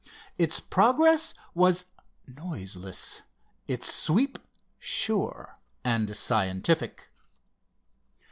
Its progress was noiseless, its sweep sure and scientific.